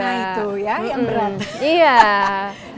nah itu ya yang berat